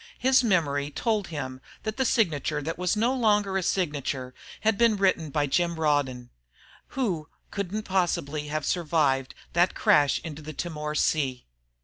His memory told him that the signature that was no longer a signature had been written by Jim Rawdon, who couldn't possibly have survived that crash into the Timor Sea....